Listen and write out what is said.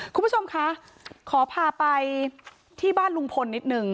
คุณผู้ชมคะขอพาไปที่บ้านลุงพลนิดนึง